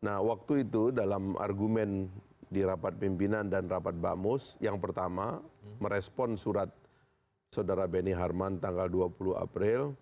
nah waktu itu dalam argumen di rapat pimpinan dan rapat bamus yang pertama merespon surat saudara benny harman tanggal dua puluh april